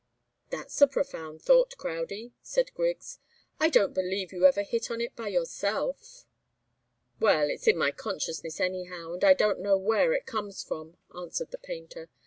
"That's a profound thought, Crowdie," said Griggs. "I don't believe you ever hit on it by yourself." "Well it's in my consciousness, anyhow, and I don't know where it comes from," answered the painter.